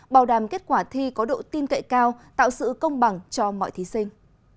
bảo đảm kết quả thi có độ tin cậy cao tạo sự công bằng cho mọi thí sinh